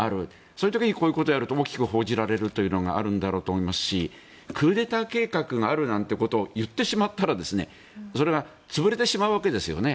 そういう時にこういうことをやると大きく報じられるというのがあるんだろうと思いますしクーデター計画があるなんてことを言ってしまったらそれが潰れてしまうわけですよね。